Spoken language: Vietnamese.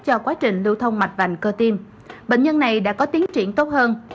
cho quá trình lưu thông mạch vành cơ tim bệnh nhân này đã có tiến triển tốt hơn